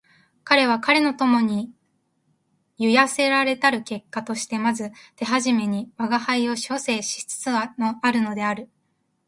彼は彼の友に揶揄せられたる結果としてまず手初めに吾輩を写生しつつあるのである